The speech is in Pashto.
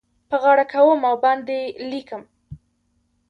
په غاړه کوم او باندې لیکم